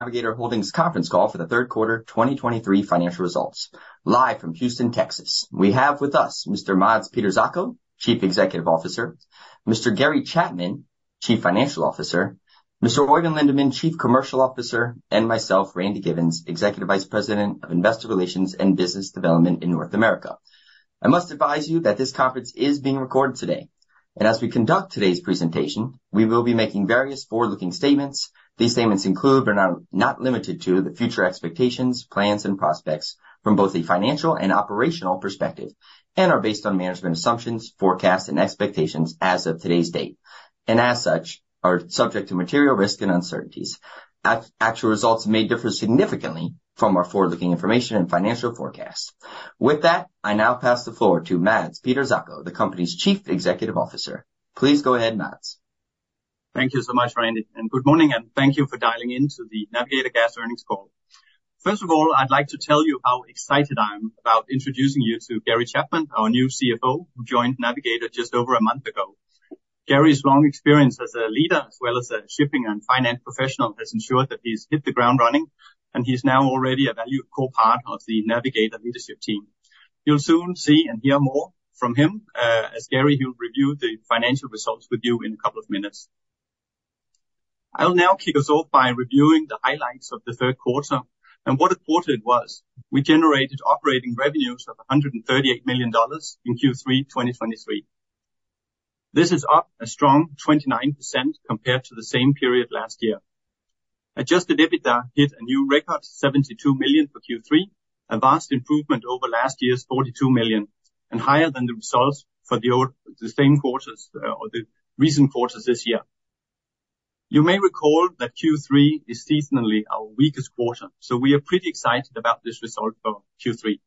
Navigator Holdings conference call for the third quarter 2023 financial results. Live from Houston, Texas, we have with us Mr. Mads Peter Zacho, Chief Executive Officer, Mr. Gary Chapman, Chief Financial Officer, Mr. Oeyvind Lindeman, Chief Commercial Officer, and myself, Randy Giveans, Executive Vice President of Investor Relations and Business Development in North America. I must advise you that this conference is being recorded today, and as we conduct today's presentation, we will be making various forward-looking statements. These statements include, but are not limited to, the future expectations, plans, and prospects from both a financial and operational perspective, and are based on management assumptions, forecasts, and expectations as of today's date, and as such, are subject to material risks and uncertainties. Actual results may differ significantly from our forward-looking information and financial forecasts. With that, I now pass the floor to Mads Peter Zacho, the company's Chief Executive Officer. Please go ahead, Mads. Thank you so much, Randy, and good morning, and thank you for dialing in to the Navigator Gas earnings call. First of all, I'd like to tell you how excited I am about introducing you to Gary Chapman, our new CFO, who joined Navigator just over a month ago. Gary's long experience as a leader, as well as a shipping and finance professional, has ensured that he's hit the ground running, and he's now already a valued core part of the Navigator leadership team. You'll soon see and hear more from him, as Gary, he'll review the financial results with you in a couple of minutes. I'll now kick us off by reviewing the highlights of the third quarter and what a quarter it was. We generated operating revenues of $138 million in Q3 2023. This is up a strong 29% compared to the same period last year. Adjusted EBITDA hit a new record $72 million for Q3, a vast improvement over last year's $42 million and higher than the results for the same quarters or the recent quarters this year. You may recall that Q3 is seasonally our weakest quarter, so we are pretty excited about this result for Q3.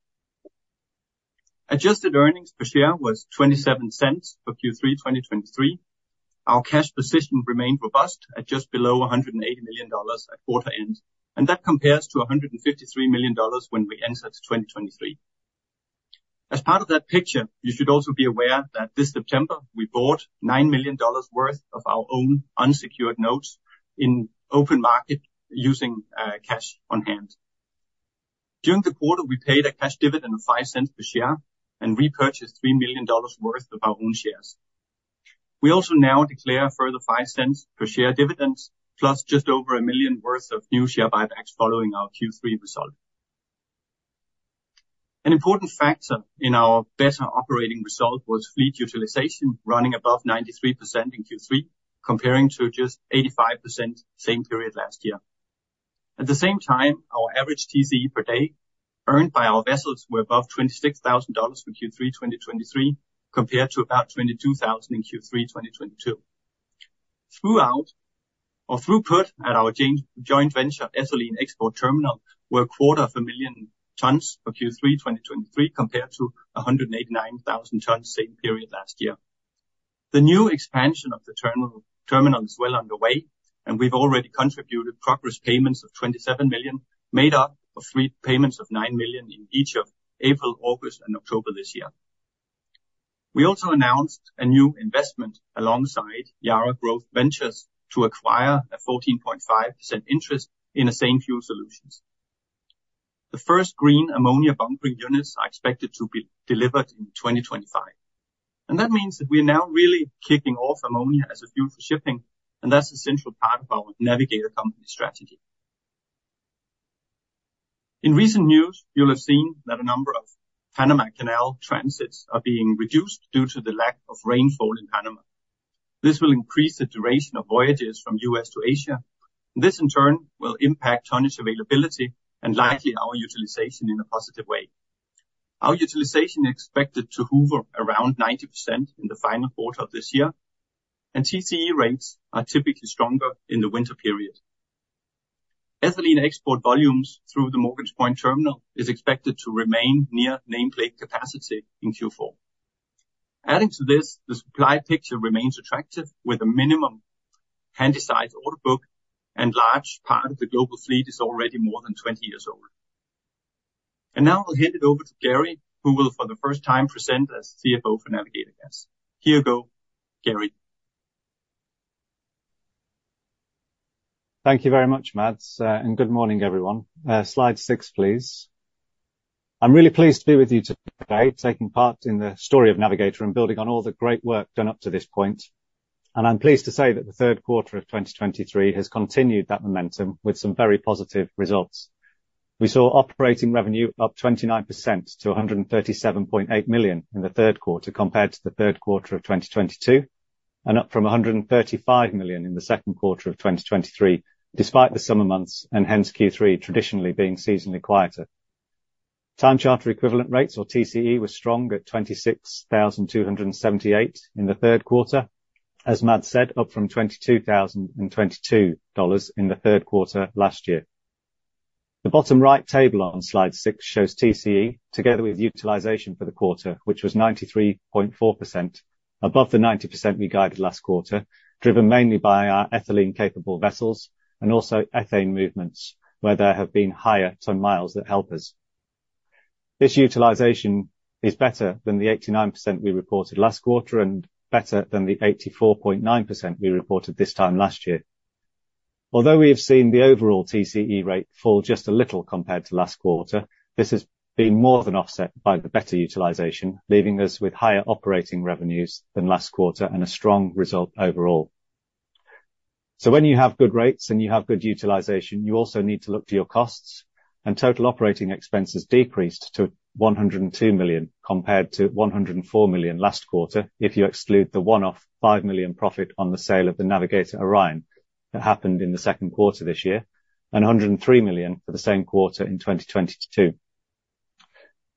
Adjusted earnings per share was $0.27 for Q3 2023. Our cash position remained robust at just below $180 million at quarter end, and that compares to $153 million when we entered 2023. As part of that picture, you should also be aware that this September, we bought $9 million worth of our own unsecured notes in open market using cash on hand. During the quarter, we paid a cash dividend of $0.05 per share and repurchased $3 million worth of our own shares. We also now declare a further $0.05 per share dividends, plus just over $1 million worth of new share buybacks following our Q3 result. An important factor in our better operating result was fleet utilization, running above 93% in Q3, comparing to just 85% same period last year. At the same time, our average TCE per day earned by our vessels were above $26,000 for Q3 2023, compared to about $22,000 in Q3 2022. Throughput at our joint venture, Ethylene Export Terminal, were 250,000 tons for Q3 2023, compared to 189,000 tons, same period last year. The new expansion of the terminal, terminal is well underway, and we've already contributed progress payments of $27 million, made up of three payments of $9 million in each of April, August, and October this year. We also announced a new investment alongside Yara Growth Ventures to acquire a 14.5% interest in Azane Fuel Solutions. The first green ammonia bunkering units are expected to be delivered in 2025, and that means that we are now really kicking off ammonia as a fuel for shipping, and that's an essential part of our Navigator company strategy. In recent news, you'll have seen that a number of Panama Canal transits are being reduced due to the lack of rainfall in Panama. This will increase the duration of voyages from U.S. to Asia. This, in turn, will impact tonnage availability and likely our utilization in a positive way. Our utilization is expected to hover around 90% in the final quarter of this year, and TCE rates are typically stronger in the winter period. Ethylene export volumes through the Morgan's Point Terminal is expected to remain near nameplate capacity in Q4. Adding to this, the supply picture remains attractive, with a minimum Handysize order book and large part of the global fleet is already more than 20 years old. And now I'll hand it over to Gary, who will, for the first time, present as CFO for Navigator Gas. Here you go, Gary. Thank you very much, Mads, and good morning, everyone. Slide six, please. I'm really pleased to be with you today, taking part in the story of Navigator and building on all the great work done up to this point. I'm pleased to say that the third quarter of 2023 has continued that momentum with some very positive results. We saw operating revenue up 29% to $137.8 million in the third quarter, compared to the third quarter of 2022, and up from $135 million in the second quarter of 2023, despite the summer months, and hence Q3 traditionally being seasonally quieter. Time charter equivalent rates, or TCE, were strong at $26,278 in the third quarter, as Mads said, up from $22,022 in the third quarter last year. The bottom right table on slide six shows TCE together with utilization for the quarter, which was 93.4%, above the 90% we guided last quarter, driven mainly by our ethylene-capable vessels and also ethane movements, where there have been higher ton miles that help us. This utilization is better than the 89% we reported last quarter, and better than the 84.9% we reported this time last year. Although we have seen the overall TCE rate fall just a little compared to last quarter, this has been more than offset by the better utilization, leaving us with higher operating revenues than last quarter and a strong result overall. So when you have good rates and you have good utilization, you also need to look to your costs, and total operating expenses decreased to $102 million, compared to $104 million last quarter, if you exclude the one-off $5 million profit on the sale of the Navigator Orion that happened in the second quarter this year, and $103 million for the same quarter in 2022.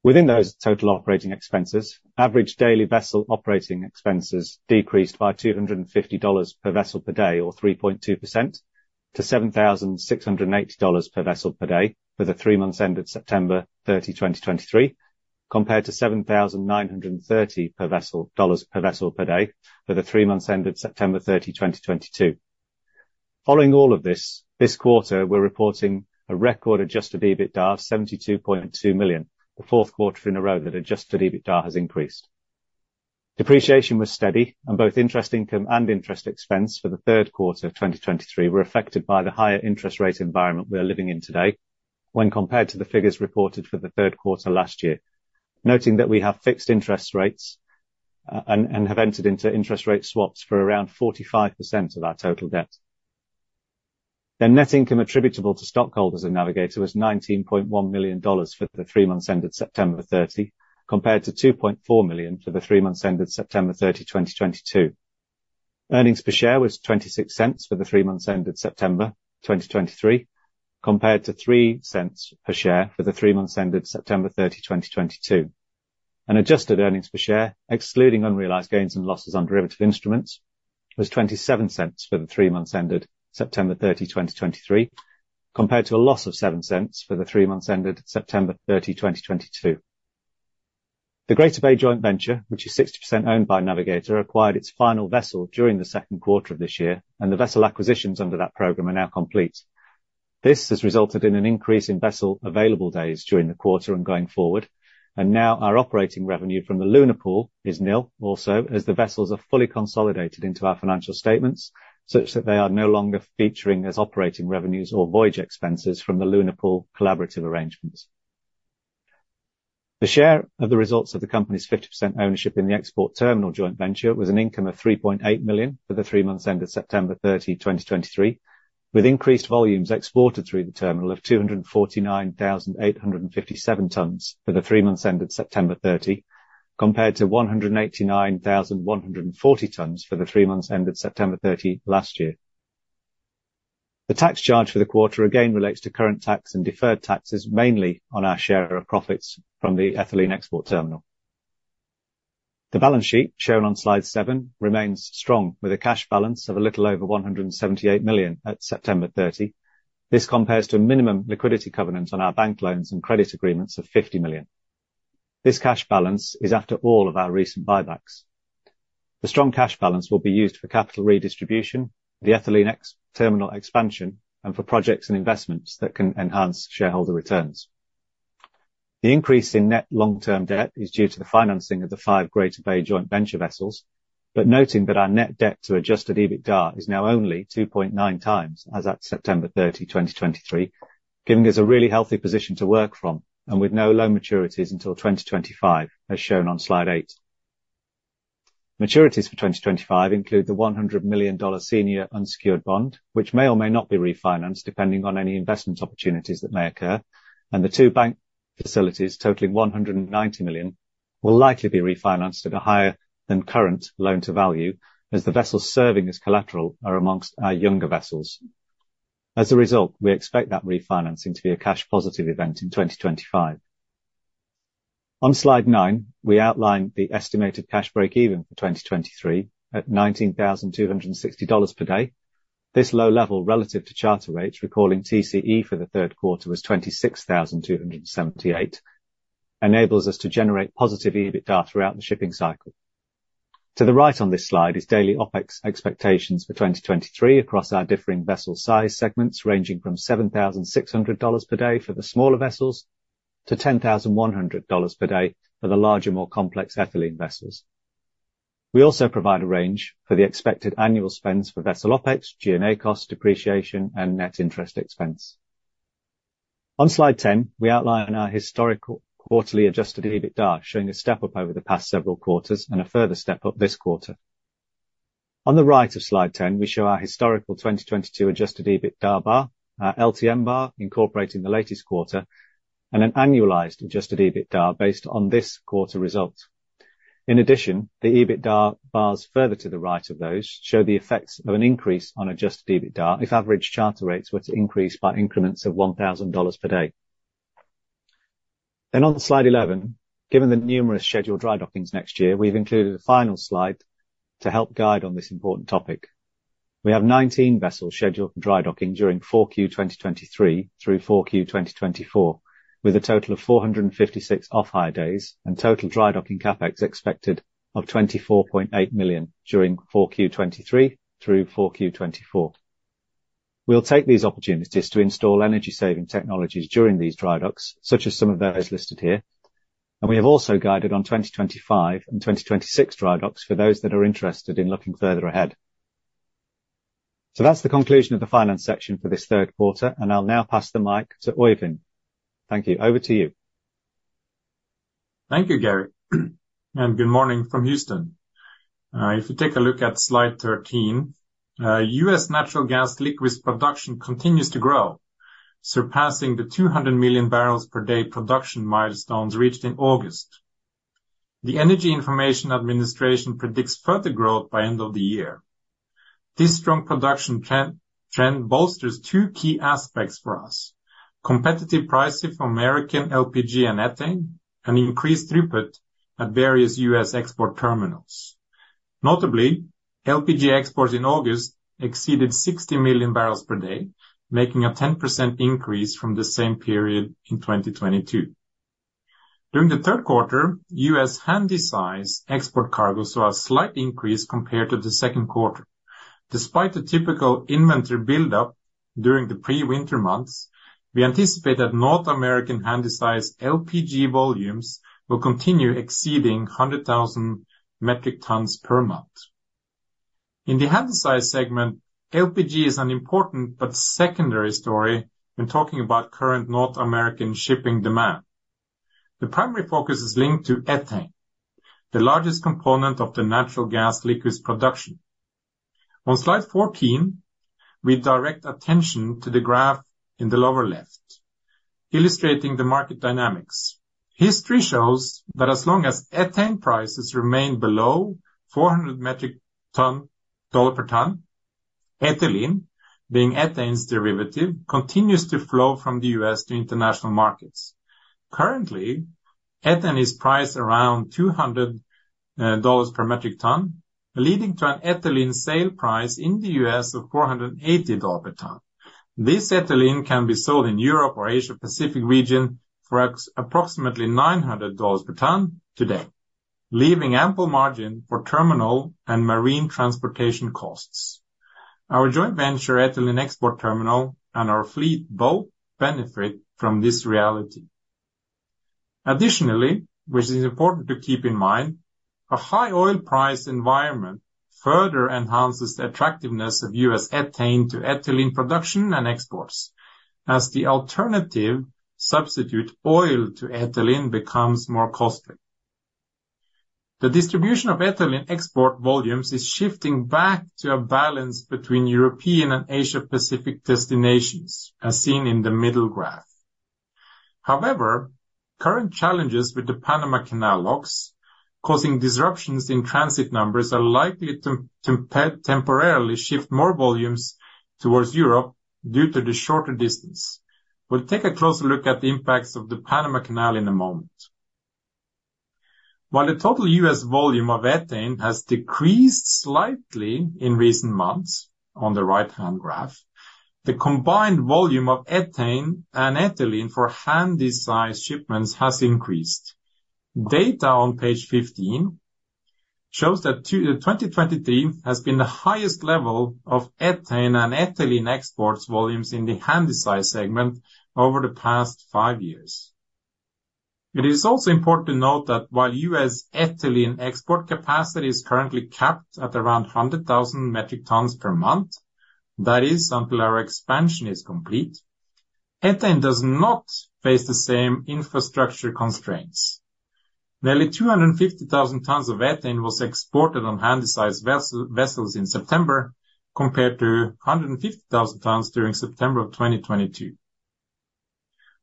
Within those total operating expenses, average daily vessel operating expenses decreased by $250 per vessel per day, or 3.2%, to $7,680 per vessel per day for the three months ended September 30, 2023, compared to $7,930 per vessel per day for the three months ended September 30, 2022. Following all of this, this quarter, we're reporting a record adjusted EBITDA of $72.2 million, the fourth quarter in a row that adjusted EBITDA has increased. Depreciation was steady, and both interest income and interest expense for the third quarter of 2023 were affected by the higher interest rate environment we are living in today when compared to the figures reported for the third quarter last year, noting that we have fixed interest rates, and have entered into interest rate swaps for around 45% of our total debt. Then net income attributable to stockholders in Navigator was $19.1 million for the three months ended September 30, compared to $2.4 million for the three months ended September 30, 2022. Earnings per share was $0.26 for the three months ended September 2023, compared to $0.03 per share for the three months ended September 30, 2022. Adjusted earnings per share, excluding unrealized gains and losses on derivative instruments, was $0.27 for the three months ended September 30, 2023, compared to a loss of $0.07 for the three months ended September 30, 2022. The Greater Bay joint venture, which is 60% owned by Navigator, acquired its final vessel during the second quarter of this year, and the vessel acquisitions under that program are now complete. This has resulted in an increase in vessel available days during the quarter and going forward, and now our operating revenue from the Luna Pool is nil, also, as the vessels are fully consolidated into our financial statements, such that they are no longer featuring as operating revenues or voyage expenses from the Luna Pool collaborative arrangements. The share of the results of the company's 50% ownership in the export terminal joint venture was an income of $3.8 million for the three months ended September 30, 2023, with increased volumes exported through the terminal of 249,857 tons for the three months ended September 30, compared to 189,140 tons for the three months ended September 30 last year. The tax charge for the quarter again relates to current tax and deferred taxes, mainly on our share of profits from the Ethylene Export Terminal. The balance sheet, shown on slide seven, remains strong, with a cash balance of a little over $178 million at September 30. This compares to a minimum liquidity covenant on our bank loans and credit agreements of $50 million. This cash balance is after all of our recent buybacks. The strong cash balance will be used for capital redistribution, the Ethylene Export Terminal expansion, and for projects and investments that can enhance shareholder returns. The increase in net long-term debt is due to the financing of the five Greater Bay joint venture vessels, but noting that our net debt to adjusted EBITDA is now only 2.9x as at September 30, 2023, giving us a really healthy position to work from, and with no loan maturities until 2025, as shown on slide eight. Maturities for 2025 include the $100 million senior unsecured bond, which may or may not be refinanced, depending on any investment opportunities that may occur, and the two bank facilities totaling $190 million will likely be refinanced at a higher than current loan-to-value, as the vessels serving as collateral are amongst our younger vessels. As a result, we expect that refinancing to be a cash positive event in 2025. On slide nine, we outline the estimated cash break-even for 2023 at $19,260 per day. This low level relative to charter rates, recalling TCE for the third quarter was 26,278, enables us to generate positive EBITDA throughout the shipping cycle. To the right on this slide is daily OpEx expectations for 2023 across our differing vessel size segments, ranging from $7,600 per day for the smaller vessels to $10,100 per day for the larger, more complex ethylene vessels. We also provide a range for the expected annual spends for vessel OpEx, G&A costs, depreciation, and net interest expense. On slide 10, we outline our historical quarterly adjusted EBITDA, showing a step-up over the past several quarters and a further step-up this quarter. On the right of slide 10, we show our historical 2022 adjusted EBITDA bar, our LTM bar incorporating the latest quarter, and an annualized adjusted EBITDA based on this quarter result. In addition, the EBITDA bars further to the right of those show the effects of an increase on adjusted EBITDA if average charter rates were to increase by increments of $1,000 per day. Then on slide 11, given the numerous scheduled dry dockings next year, we've included a final slide to help guide on this important topic. We have 19 vessels scheduled for dry docking during 4Q 2023 through 4Q 2024, with a total of 456 off-hire days and total dry docking CapEx expected of $24.8 million during 4Q 2023 through 4Q 2024. We'll take these opportunities to install energy-saving technologies during these dry docks, such as some of those listed here, and we have also guided on 2025 and 2026 dry docks for those that are interested in looking further ahead. That's the conclusion of the finance section for this third quarter, and I'll now pass the mic to Oeyvind. Thank you. Over to you. Thank you, Gary, and good morning from Houston. If you take a look at slide 13, U.S. natural gas liquids production continues to grow, surpassing the 200 MMbpd production milestones reached in August. The Energy Information Administration predicts further growth by end of the year. This strong production trend bolsters two key aspects for us: competitive pricing for American LPG and ethane, and increased throughput at various U.S. export terminals. Notably, LPG exports in August exceeded 60 MMbpd, making a 10% increase from the same period in 2022. During the third quarter, U.S. Handysize export cargo saw a slight increase compared to the second quarter. Despite the typical inventory buildup during the pre-winter months, we anticipate that North American Handysize LPG volumes will continue exceeding 100,000 metric tons per month. In the Handysize segment, LPG is an important but secondary story when talking about current North American shipping demand. The primary focus is linked to ethane, the largest component of the natural gas liquids production. On slide 14, we direct attention to the graph in the lower left, illustrating the market dynamics. History shows that as long as ethane prices remain below $400 per metric ton, ethylene, being ethane's derivative, continues to flow from the U.S. to international markets. Currently, ethane is priced around $200 per metric ton, leading to an ethylene sale price in the U.S. of $480 per ton. This ethylene can be sold in Europe or Asia-Pacific region for approximately $900 per ton today, leaving ample margin for terminal and marine transportation costs. Our joint venture, Ethylene Export Terminal, and our fleet both benefit from this reality. Additionally, which is important to keep in mind, a high oil price environment further enhances the attractiveness of U.S. ethane to ethylene production and exports, as the alternative, substitute oil to ethylene becomes more costly. The distribution of ethylene export volumes is shifting back to a balance between European and Asia-Pacific destinations, as seen in the middle graph. However, current challenges with the Panama Canal locks, causing disruptions in transit numbers, are likely to temporarily shift more volumes towards Europe due to the shorter distance. We'll take a closer look at the impacts of the Panama Canal in a moment. While the total US volume of ethane has decreased slightly in recent months, on the right-hand graph, the combined volume of ethane and ethylene for Handysize shipments has increased. Data on page 15 shows that 2023 has been the highest level of ethane and ethylene export volumes in the Handysize segment over the past five years. It is also important to note that while U.S. ethylene export capacity is currently capped at around 100,000 metric tons per month, that is, until our expansion is complete, ethane does not face the same infrastructure constraints. Nearly 250,000 tons of ethane was exported on Handysize vessels in September, compared to 150,000 tons during September of 2022.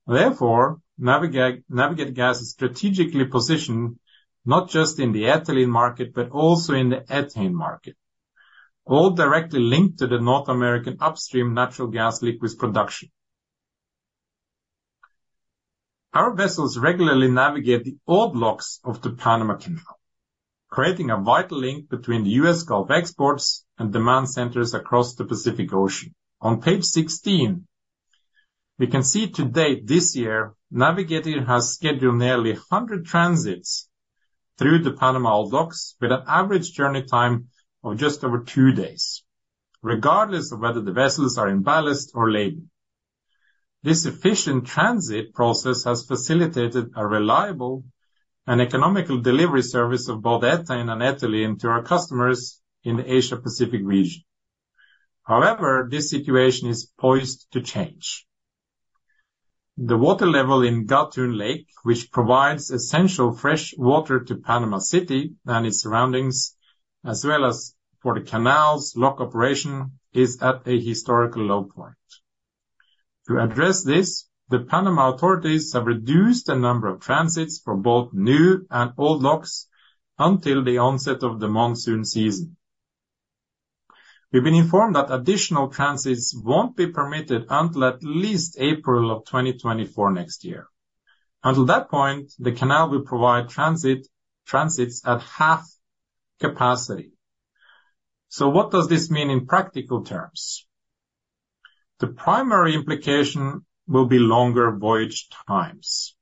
Therefore, Navigator Gas is strategically positioned not just in the ethylene market, but also in the ethane market, all directly linked to the North American upstream natural gas liquids production. Our vessels regularly navigate the old locks of the Panama Canal, creating a vital link between the U.S. Gulf exports and demand centers across the Pacific Ocean. On page 16, we can see to date this year, Navigator has scheduled nearly 100 transits through the Panama locks, with an average journey time of just over two days, regardless of whether the vessels are in ballast or laden. This efficient transit process has facilitated a reliable and economical delivery service of both ethane and ethylene to our customers in the Asia-Pacific region. However, this situation is poised to change. The water level in Gatun Lake, which provides essential fresh water to Panama City and its surroundings, as well as for the canal's lock operation, is at a historical low point. To address this, the Panama authorities have reduced the number of transits for both new and old locks until the onset of the monsoon season. We've been informed that additional transits won't be permitted until at least April of 2024 next year. Until that point, the canal will provide transits at half capacity. So what does this mean in practical terms? The primary implication will be longer voyage times.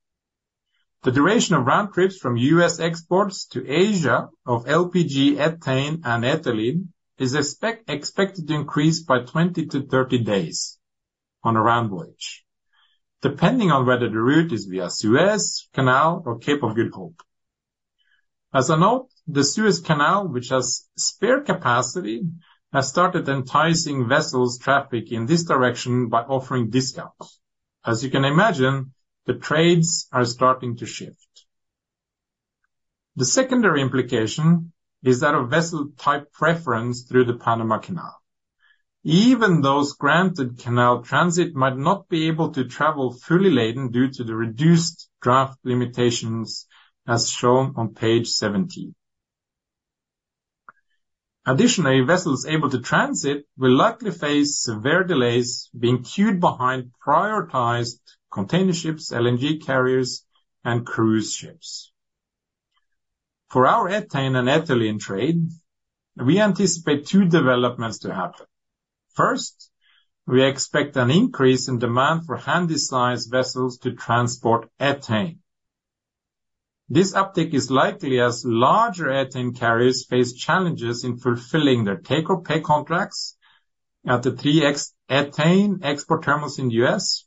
The duration of round trips from U.S. exports to Asia of LPG, ethane, and ethylene is expected to increase by 20-30 days on a round voyage, depending on whether the route is via Suez Canal or Cape of Good Hope. As a note, the Suez Canal, which has spare capacity, has started enticing vessel traffic in this direction by offering discounts. As you can imagine, the trades are starting to shift. The secondary implication is that a vessel type preference through the Panama Canal, even those granted canal transit, might not be able to travel fully laden due to the reduced draft limitations, as shown on page 17. Additionally, vessels able to transit will likely face severe delays being queued behind prioritized container ships, LNG carriers, and cruise ships. For our ethane and ethylene trade, we anticipate two developments to happen. First, we expect an increase in demand for handy-sized vessels to transport ethane. This uptick is likely as larger ethane carriers face challenges in fulfilling their take or pay contracts at the three ethane export terminals in the U.S.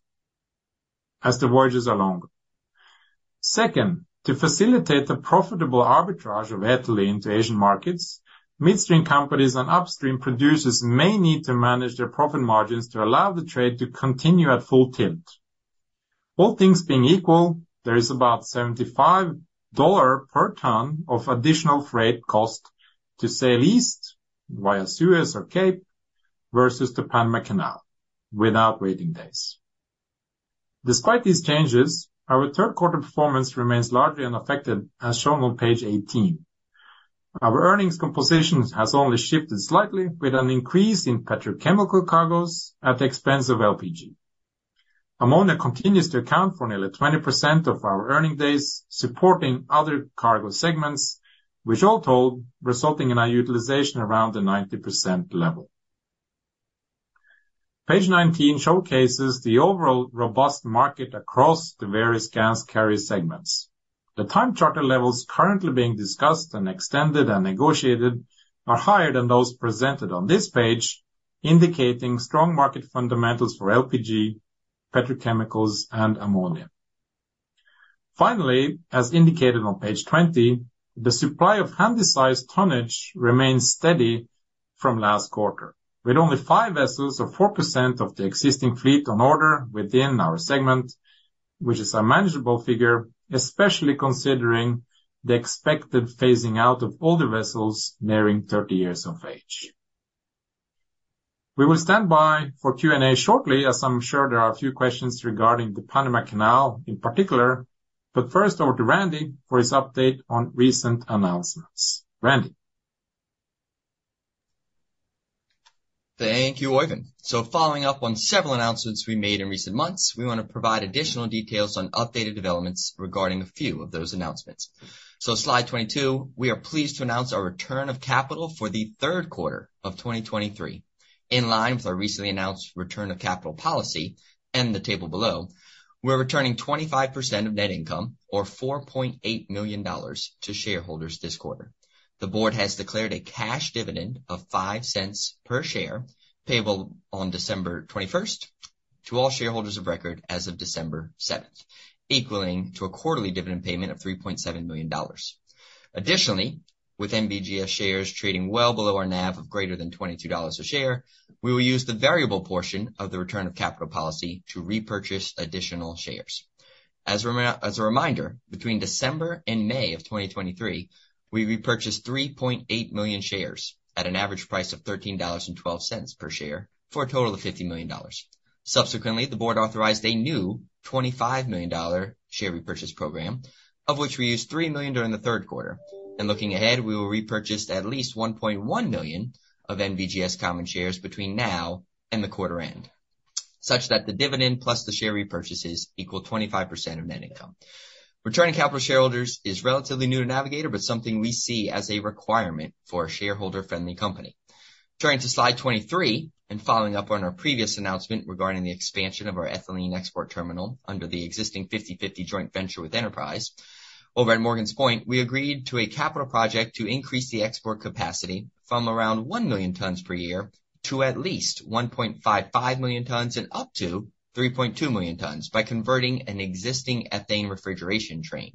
as the voyages are longer. Second, to facilitate the profitable arbitrage of ethylene to Asian markets, midstream companies and upstream producers may need to manage their profit margins to allow the trade to continue at full tilt. All things being equal, there is about $75 per ton of additional freight cost to sail east via Suez or Cape versus the Panama Canal without waiting days. Despite these changes, our third quarter performance remains largely unaffected, as shown on page 18. Our earnings composition has only shifted slightly, with an increase in petrochemical cargos at the expense of LPG. Ammonia continues to account for nearly 20% of our earning days, supporting other cargo segments, which all told, resulting in our utilization around the 90% level. Page 19 showcases the overall robust market across the various gas carrier segments. The time charter levels currently being discussed and extended and negotiated are higher than those presented on this page, indicating strong market fundamentals for LPG, petrochemicals, and ammonia. Finally, as indicated on page 20, the supply of handy-sized tonnage remains steady from last quarter, with only five vessels or 4% of the existing fleet on order within our segment, which is a manageable figure, especially considering the expected phasing out of older vessels nearing 30 years of age. We will stand by for Q&A shortly, as I'm sure there are a few questions regarding the Panama Canal in particular, but first over to Randy for his update on recent announcements. Randy? Thank you, Oeyvind. So following up on several announcements we made in recent months, we want to provide additional details on updated developments regarding a few of those announcements. So slide 22, we are pleased to announce our return of capital for the third quarter of 2023. In line with our recently announced return of capital policy and the table below, we're returning 25% of net income, or $4.8 million to shareholders this quarter. The Board has declared a cash dividend of $0.05 per share, payable on December 21st, to all shareholders of record as of December 7th, equaling to a quarterly dividend payment of $3.7 million. Additionally, with NVGS shares trading well below our NAV of greater than $22 a share, we will use the variable portion of the return of capital policy to repurchase additional shares. As a reminder, between December and May of 2023, we repurchased 3.8 million shares at an average price of $13.12 per share, for a total of $50 million. Subsequently, the Board authorized a new $25 million share repurchase program, of which we used $3 million during the third quarter. Looking ahead, we will repurchase at least 1.1 million of NVGS common shares between now and the quarter end, such that the dividend plus the share repurchases equal 25% of net income. Returning capital to shareholders is relatively new to Navigator, but something we see as a requirement for a shareholder-friendly company. Turning to slide 23, and following up on our previous announcement regarding the expansion of our Ethylene Export Terminal under the existing 50/50 joint venture with Enterprise. Over at Morgan's Point, we agreed to a capital project to increase the export capacity from around 1 million tons per year to at least 1.55 million tons and up to 3.2 million tons by converting an existing ethane refrigeration train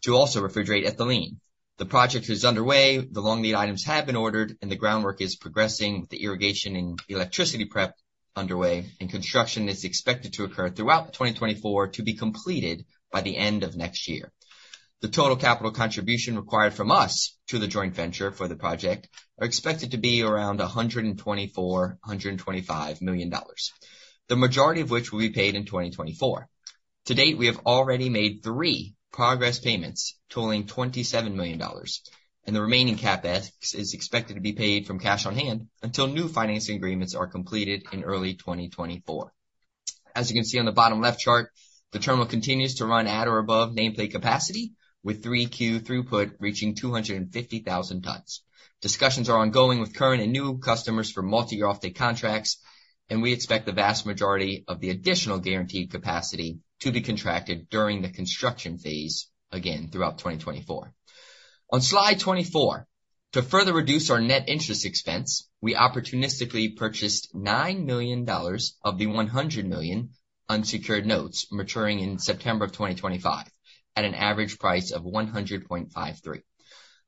to also refrigerate ethylene. The project is underway. The long-lead items have been ordered, and the groundwork is progressing with the irrigation and electricity prep underway, and construction is expected to occur throughout 2024, to be completed by the end of next year. The total capital contribution required from us to the joint venture for the project are expected to be around $124 million-$125 million, the majority of which will be paid in 2024. To date, we have already made three progress payments totaling $27 million, and the remaining CapEx is expected to be paid from cash on hand until new financing agreements are completed in early 2024. As you can see on the bottom left chart, the terminal continues to run at or above nameplate capacity, with Q3 throughput reaching 250,000 tons. Discussions are ongoing with current and new customers for multi-year offtake contracts, and we expect the vast majority of the additional guaranteed capacity to be contracted during the construction phase again throughout 2024. On slide 24, to further reduce our net interest expense, we opportunistically purchased $9 million of the $100 million unsecured notes maturing in September of 2025, at an average price of $100.53.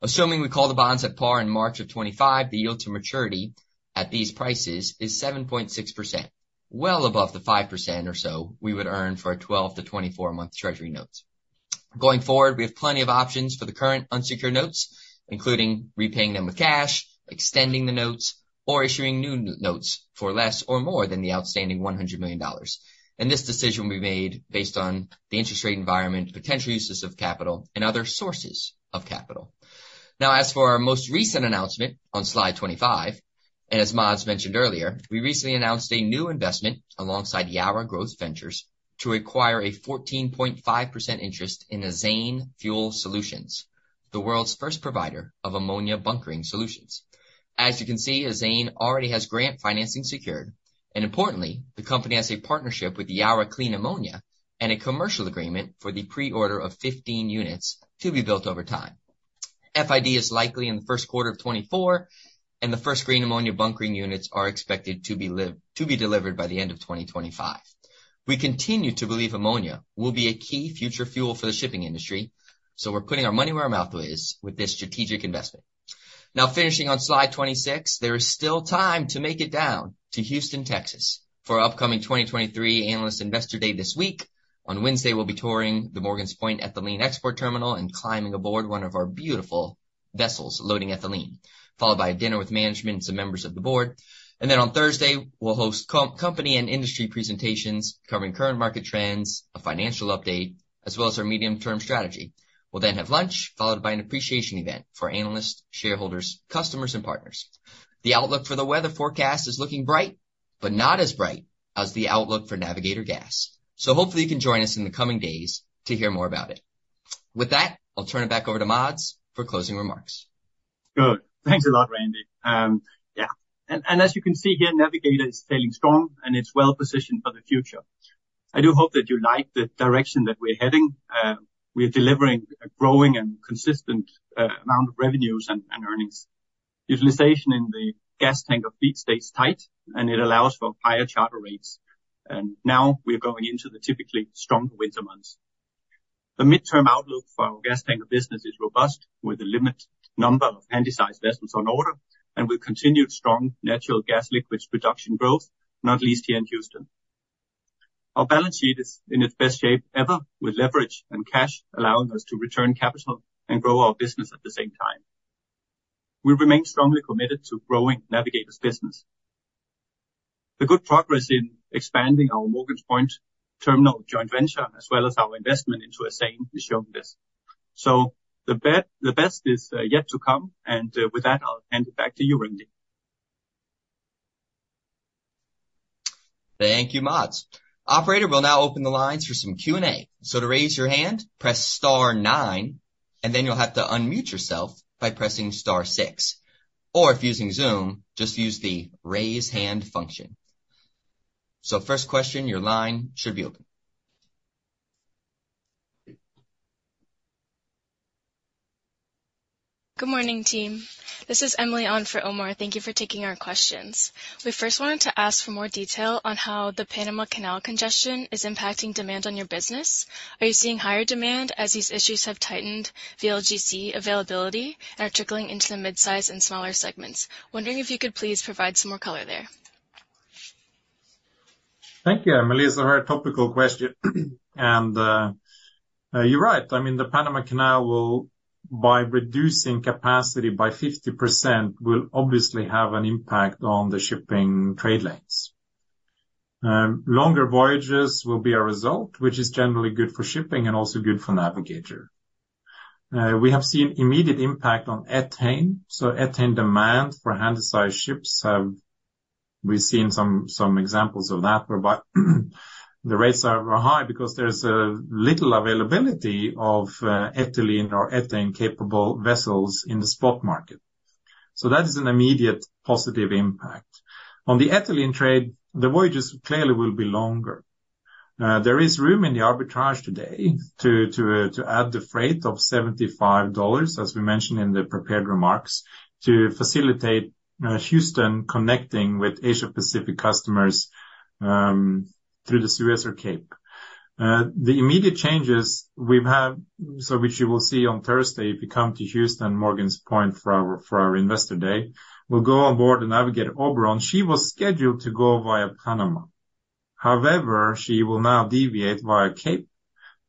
Assuming we call the bonds at par in March 2025, the yield to maturity at these prices is 7.6%, well above the 5% or so we would earn for 12- to 24-month Treasury notes. Going forward, we have plenty of options for the current unsecured notes, including repaying them with cash, extending the notes, or issuing new notes for less or more than the outstanding $100 million. This decision will be made based on the interest rate environment, potential uses of capital, and other sources of capital. Now, as for our most recent announcement on slide 25, and as Mads mentioned earlier, we recently announced a new investment alongside Yara Growth Ventures to acquire a 14.5% interest in Azane Fuel Solutions, the world's first provider of ammonia bunkering solutions. As you can see, Azane already has grant financing secured, and importantly, the company has a partnership with the Yara Clean Ammonia and a commercial agreement for the pre-order of 15 units to be built over time. FID is likely in the first quarter of 2024, and the first green ammonia bunkering units are expected to be delivered by the end of 2025. We continue to believe ammonia will be a key future fuel for the shipping industry, so we're putting our money where our mouth is with this strategic investment. Now finishing on slide 26, there is still time to make it down to Houston, Texas, for our upcoming 2023 Analyst Investor Day this week. On Wednesday, we'll be touring the Morgan's Point Ethylene Export Terminal and climbing aboard one of our beautiful vessels loading ethylene, followed by a dinner with management and some members of the Board. And then on Thursday, we'll host company and industry presentations covering current market trends, a financial update, as well as our medium-term strategy. We'll then have lunch, followed by an appreciation event for analysts, shareholders, customers, and partners. The outlook for the weather forecast is looking bright, but not as bright as the outlook for Navigator Gas. So hopefully you can join us in the coming days to hear more about it. With that, I'll turn it back over to Mads for closing remarks. Good. Thanks a lot, Randy. Yeah, and as you can see here, Navigator is sailing strong, and it's well positioned for the future. I do hope that you like the direction that we're heading. We are delivering a growing and consistent amount of revenues and earnings. Utilization in the gas tanker fleet stays tight, and it allows for higher charter rates. Now we are going into the typically stronger winter months. The midterm outlook for our gas tanker business is robust, with a limited number of Handysize vessels on order, and we've continued strong natural gas liquids production growth, not least here in Houston. Our balance sheet is in its best shape ever, with leverage and cash allowing us to return capital and grow our business at the same time. We remain strongly committed to growing Navigator's business. The good progress in expanding our Morgan's Point Terminal joint venture, as well as our investment into Azane, is showing this. So the best is yet to come, and with that, I'll hand it back to you, Randy. Thank you, Mads. Operator, we'll now open the lines for some Q&A. So to raise your hand, press star nine, and then you'll have to unmute yourself by pressing star six. Or if using Zoom, just use the Raise Hand function. So first question, your line should be open. Good morning, team. This is Emily on for Omar. Thank you for taking our questions. We first wanted to ask for more detail on how the Panama Canal congestion is impacting demand on your business. Are you seeing higher demand as these issues have tightened VLGC availability and are trickling into the mid-size and smaller segments? Wondering if you could please provide some more color there? Thank you, Emily. It's a very topical question, and, you're right. I mean, the Panama Canal will, by reducing capacity by 50%, will obviously have an impact on the shipping trade lanes. Longer voyages will be a result, which is generally good for shipping and also good for Navigator. We have seen immediate impact on ethane. So ethane demand for Handysize ships have, we've seen some examples of that, but, the rates are high because there's little availability of ethylene or ethane-capable vessels in the spot market. So that is an immediate positive impact. On the ethylene trade, the voyages clearly will be longer. There is room in the arbitrage today to add the freight of $75, as we mentioned in the prepared remarks, to facilitate Houston connecting with Asia-Pacific customers through the Suez or Cape. The immediate changes we've had, so which you will see on Thursday if you come to Houston, Morgan's Point, for our Investor Day, we'll go on board the Navigator Oberon. She was scheduled to go via Panama. However, she will now deviate via Cape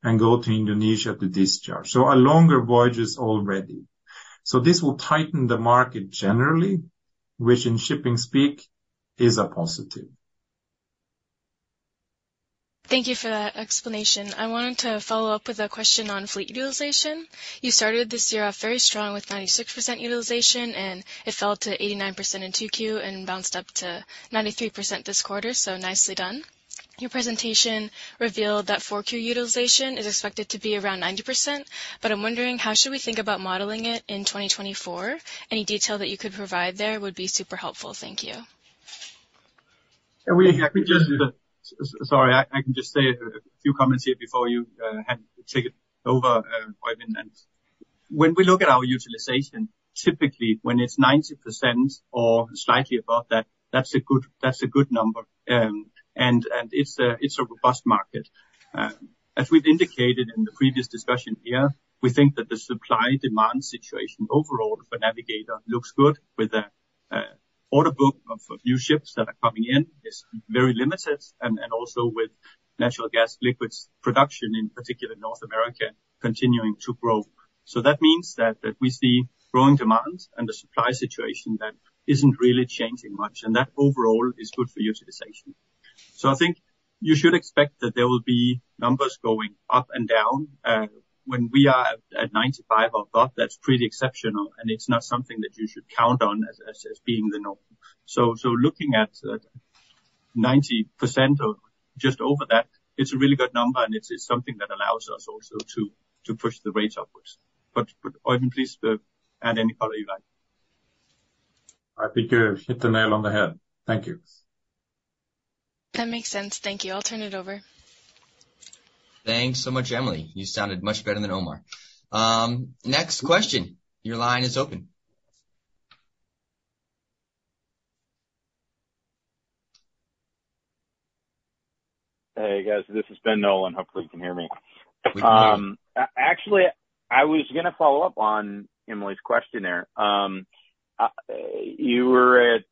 and go to Indonesia to discharge. So our longer voyage is all ready. So this will tighten the market generally, which in shipping speak, is a positive. Thank you for that explanation. I wanted to follow up with a question on fleet utilization. You started this year off very strong, with 96% utilization, and it fell to 89% in 2Q and bounced up to 93% this quarter, so nicely done. Your presentation revealed that 4Q utilization is expected to be around 90%, but I'm wondering: how should we think about modeling it in 2024? Any detail that you could provide there would be super helpful. Thank you. Sorry, I can just say a few comments here before you hand the ticket over, Oeyvind. When we look at our utilization, typically, when it's 90% or slightly above that, that's a good number. And it's a robust market. As we've indicated in the previous discussion here, we think that the supply-demand situation overall for Navigator looks good with a order book of new ships that are coming in is very limited, and also with natural gas liquids production, in particular, North America, continuing to grow. So that means that we see growing demand and a supply situation that isn't really changing much, and that overall is good for utilization. So I think you should expect that there will be numbers going up and down. When we are at 95% or above, that's pretty exceptional, and it's not something that you should count on as being the norm. So looking at 90% or just over that, it's a really good number, and it's something that allows us also to push the rates upwards. But Oeyvind, please, add any color you like. I think you hit the nail on the head. Thank you. That makes sense. Thank you. I'll turn it over. Thanks so much, Emily. You sounded much better than Omar. Next question. Your line is open. Hey, guys, this is Ben Nolan. Hopefully you can hear me. We can. Actually, I was gonna follow up on Emily's question there. You were at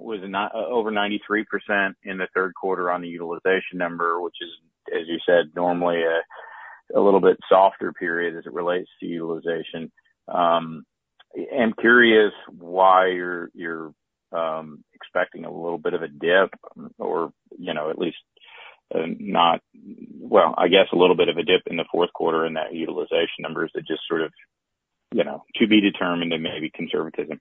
over 93% in the third quarter on the utilization number, which is, as you said, normally a little bit softer period as it relates to utilization. I'm curious why you're expecting a little bit of a dip or, you know, at least, uh, not, well, I guess a little bit of a dip in the fourth quarter in that utilization number. Is it just sort of, you know, to be determined and maybe conservatism?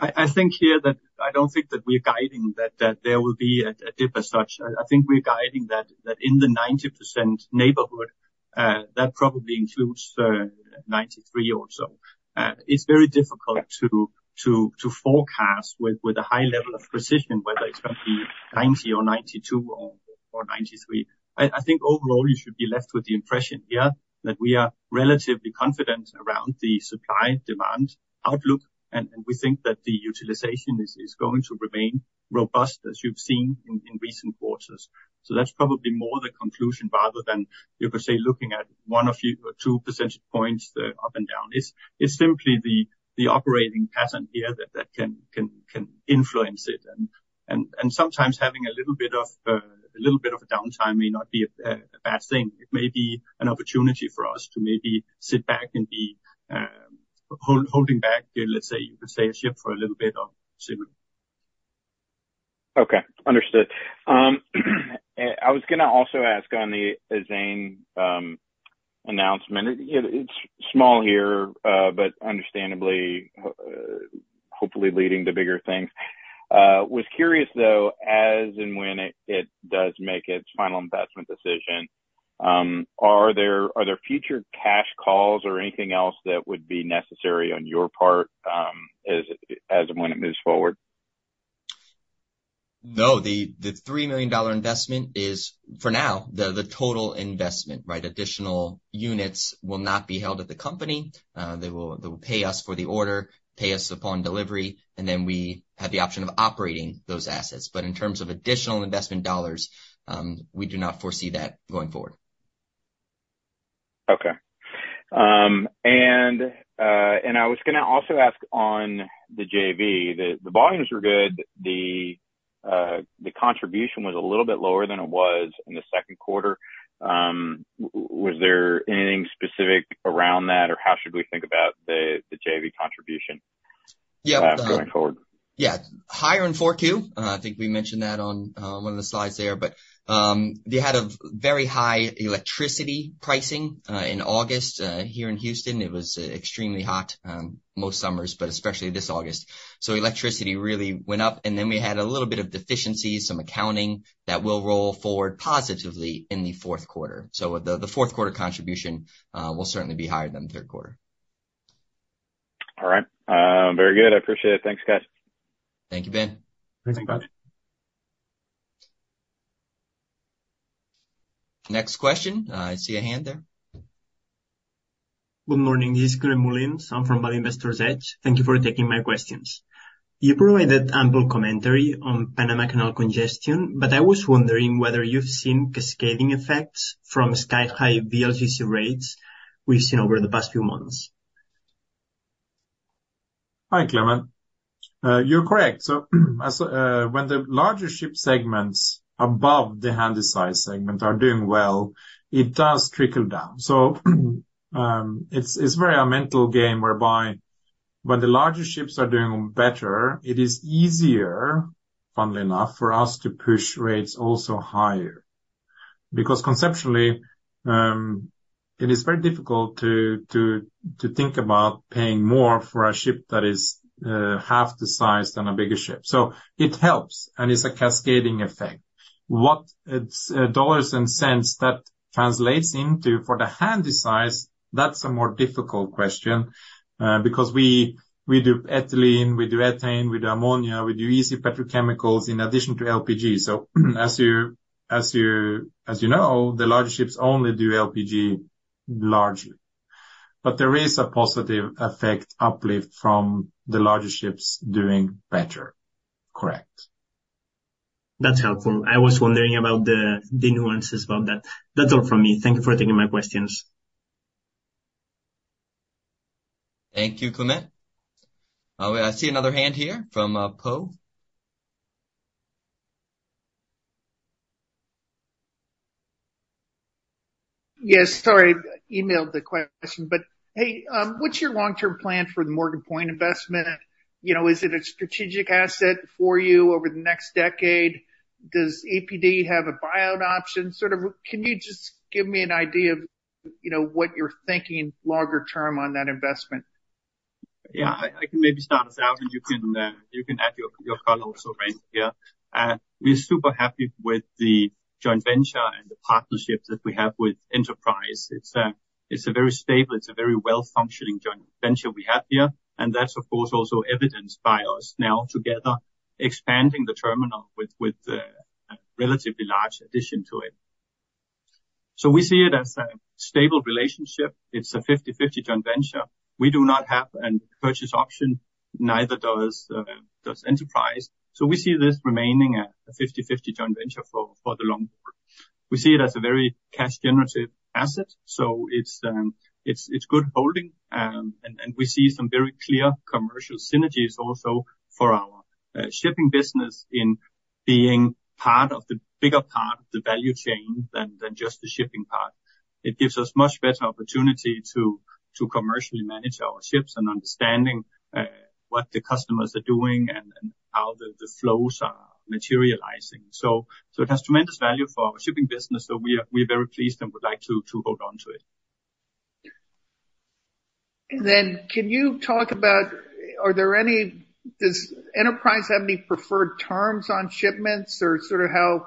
I think here that I don't think that we're guiding that there will be a dip as such. I think we're guiding that in the 90% neighborhood, that probably includes 93% or so. It's very difficult to forecast with a high level of precision whether it's going to be 90% or 92% or 93%. I think overall, you should be left with the impression here that we are relatively confident around the supply-demand outlook, and we think that the utilization is going to remain robust, as you've seen in recent quarters. So that's probably more the conclusion rather than, you could say, looking at one or few or two percentage points up and down. It's simply the operating pattern here that can influence it. Sometimes having a little bit of a little bit of a downtime may not be a bad thing. It may be an opportunity for us to maybe sit back and be holding back the, let's say, you could say, a ship for a little bit or similar. Okay, understood. I was gonna also ask on the Azane announcement. It's small here, but understandably, hopefully leading to bigger things. Was curious, though, as and when it does make its final investment decision, are there future cash calls or anything else that would be necessary on your part, as and when it moves forward? No, the $3 million investment is, for now, the total investment, right? Additional units will not be held at the company. They will pay us for the order, pay us upon delivery, and then we have the option of operating those assets. But in terms of additional investment dollars, we do not foresee that going forward. Okay, and I was gonna also ask on the JV, the volumes were good. The contribution was a little bit lower than it was in the second quarter. Was there anything specific around that, or how should we think about the JV contribution. Yeah. Going forward? Yeah. Higher in Q4. I think we mentioned that on one of the slides there. But they had a very high electricity pricing in August. Here in Houston, it was extremely hot most summers, but especially this August. So electricity really went up, and then we had a little bit of deficiency, some accounting, that will roll forward positively in the fourth quarter. So the fourth quarter contribution will certainly be higher than the third quarter. All right. Very good. I appreciate it. Thanks, guys. Thank you, Ben. Thanks, Ben. Next question. I see a hand there. Good morning. This is Climent Molins. I'm from Value Investor's Edge. Thank you for taking my questions. You provided ample commentary on Panama Canal congestion, but I was wondering whether you've seen cascading effects from sky-high VLGC rates we've seen over the past few months? Hi, Climent. You're correct. So, as when the larger ship segments above the Handysize segment are doing well, it does trickle down. So, it's very a mental game whereby when the larger ships are doing better, it is easier, funnily enough, for us to push rates also higher. Because conceptually, it is very difficult to think about paying more for a ship that is half the size than a bigger ship. So it helps, and it's a cascading effect. What it's dollars and cents that translates into for the Handysize, that's a more difficult question, because we do ethylene, we do ethane, we do ammonia, we do easy petrochemicals in addition to LPG. So as you, as you, as you know, the larger ships only do LPG largely, but there is a positive effect uplift from the larger ships doing better. Correct. That's helpful. I was wondering about the nuances about that. That's all from me. Thank you for taking my questions. Thank you, Climent. I see another hand here from Poe. Yes, sorry, emailed the question, but hey, what's your long-term plan for the Morgan's Point investment? You know, is it a strategic asset for you over the next decade? Does EPD have a buyout option? Sort of, can you just give me an idea of, you know, what you're thinking longer term on that investment? Yeah, I can maybe start us out, and you can add your color also right here. We're super happy with the joint venture and the partnership that we have with Enterprise. It's a very stable, very well-functioning joint venture we have here, and that's, of course, also evidenced by us now together expanding the terminal with a relatively large addition to it. So we see it as a stable relationship. It's a 50/50 joint venture. We do not have a purchase option, neither does Enterprise. So we see this remaining a 50/50 joint venture for the long term. We see it as a very cash-generative asset, so it's good holding. And we see some very clear commercial synergies also for our shipping business in being part of the bigger part of the value chain than just the shipping part. It gives us much better opportunity to commercially manage our ships and understanding what the customers are doing and how the flows are materializing. So it has tremendous value for our shipping business. So we're very pleased and would like to hold on to it. And then can you talk about, are there any, does Enterprise have any preferred terms on shipments or sort of how,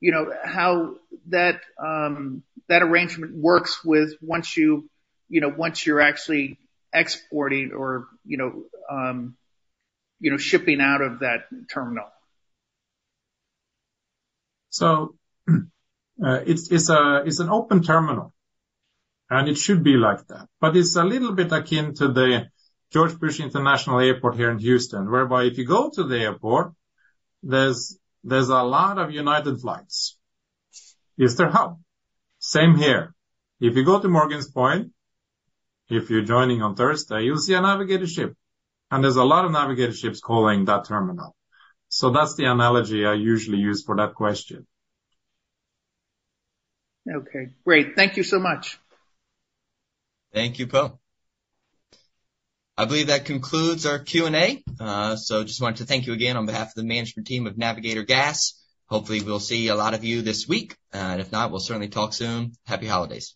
you know, how that, that arrangement works with once you, you know, once you're actually exporting or, you know, you know, shipping out of that terminal? So, it's an open terminal, and it should be like that. But it's a little bit akin to the George Bush Intercontinental Airport here in Houston, whereby if you go to the airport, there's a lot of United flights. It's their hub. Same here. If you go to Morgan's Point, if you're joining on Thursday, you'll see a Navigator ship, and there's a lot of Navigator ships calling that terminal. So that's the analogy I usually use for that question. Okay, great. Thank you so much. Thank you, Poe. I believe that concludes our Q&A. So just wanted to thank you again on behalf of the management team of Navigator Gas. Hopefully, we'll see a lot of you this week, and if not, we'll certainly talk soon. Happy holidays.